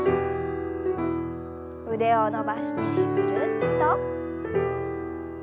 腕を伸ばしてぐるっと。